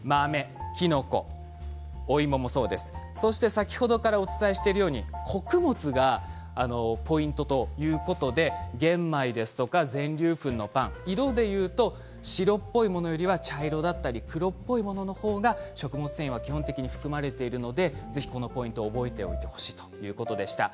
先ほどからお伝えしているように穀物がポイントということで玄米ですとか全粒粉のパン色でいうと白っぽいものよりは茶色だったり黒っぽいものの方が食物繊維は基本的に含まれているのでこのポイント覚えておいてほしいということでした。